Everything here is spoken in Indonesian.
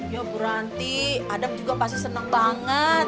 ya bu ranti adam juga pasti senang banget